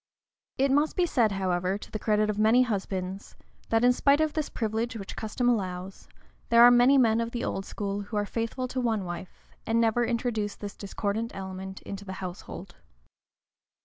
It must be said, however, to the credit of many husbands, that in spite of this privilege, which custom allows, there are many men of the old school who are faithful to one wife, and never introduce this discordant element into the household.